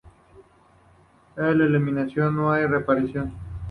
En "eliminación", no hay reaparición.